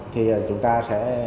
thì chúng ta sẽ